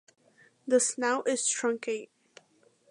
The snout is truncate.